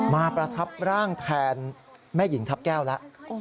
ประทับร่างแทนแม่หญิงทัพแก้วแล้ว